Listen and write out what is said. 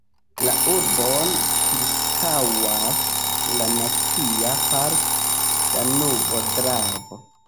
La urbon ĉirkaŭas la Nacia parko Danubo–Dravo.